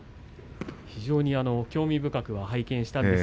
興味深く、拝見しました。